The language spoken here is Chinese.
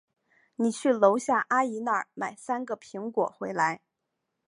你去楼下阿姨那儿买三个苹果回来。